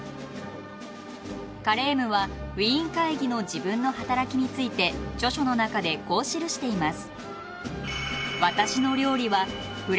カレームはウィーン会議の自分の働きについて著書の中でこう記しています。